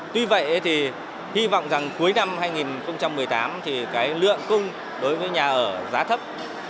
tuy vậy thì hy vọng rằng cuối năm hai nghìn một mươi tám thì cái lượng cung đối với nhà ở giá thấp